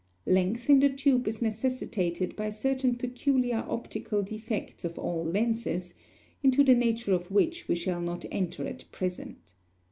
Length in the tube is necessitated by certain peculiar optical defects of all lenses, into the nature of which we shall not enter at present.